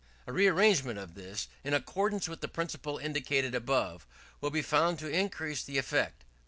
A rearrangement of this, in accordance with the principle indicated above, will be found to increase the effect.